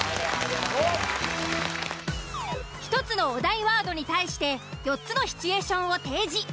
１つのお題ワードに対して４つのシチュエーションを提示。